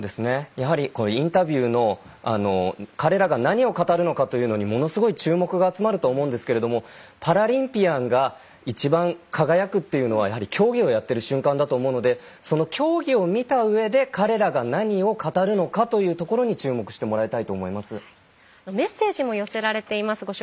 やはりインタビューの彼らが何を語るのかというのにものすごい注目が集まると思うんですけれどもパラリンピアンがいちばん輝くというのはやはり競技をやっている瞬間だと思うのでその競技を見た上で彼らが何を語るのかというところにメッセージも寄せられています。